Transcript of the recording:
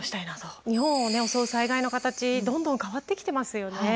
日本を襲う災害のカタチどんどん変わってきてますよね。